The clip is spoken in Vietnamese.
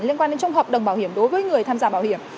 liên quan đến trong hợp đồng bảo hiểm đối với người tham gia bảo hiểm